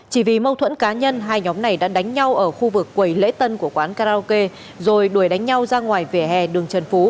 chỉ vì mâu thuẫn cá nhân hai nhóm này đã đánh nhau ở khu vực quầy lễ tân của quán karaoke rồi đuổi đánh nhau ra ngoài vỉa hè đường trần phú